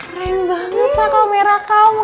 keren banget sah kamera kamu